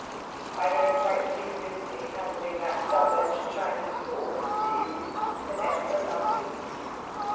'I don't quite see Vincy handling that double edged Chinese sword, do you? said Aylmer, laughing.